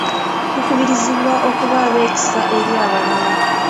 Tukubirizibwa okuba ab'ekisa eri abalala.